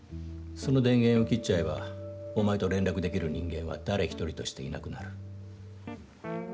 その電源を切っちゃえばお前と連絡できる人間は誰１人としていなくなる。